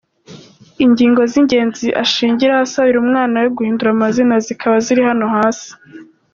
Ingingo z’ingenzi ashingiraho asabira umwana we guhindura amazina zikaba ziri hano hasi:.